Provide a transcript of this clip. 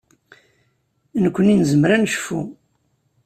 Nekkni nezmer ad necfu.